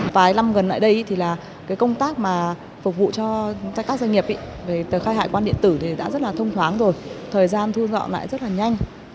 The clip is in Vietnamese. vài năm gần lại đây thì công tác phục vụ cho các doanh nghiệp về tờ khai hải quan điện tử đã rất thông thoáng rồi thời gian thu dọn lại rất nhanh